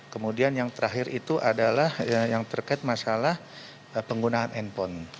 kemudian yang terakhir itu adalah yang terkait masalah penggunaan handphone